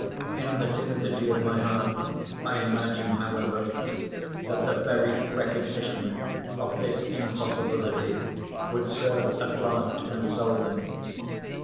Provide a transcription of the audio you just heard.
In the timidity of my heart I imagine, however, that the very recognition of this impossibility would serve at last to console them.